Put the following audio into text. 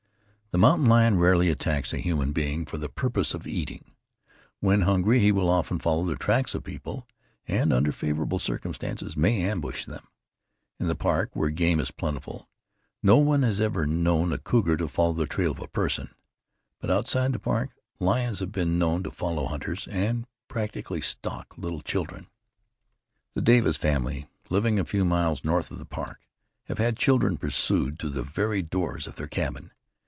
The mountain lion rarely attacks a human being for the purpose of eating. When hungry he will often follow the tracks of people, and under favorable circumstances may ambush them. In the park where game is plentiful, no one has ever known a cougar to follow the trail of a person; but outside the park lions have been known to follow hunters, and particularly stalk little children. The Davis family, living a few miles north of the park, have had children pursued to the very doors of their cabin.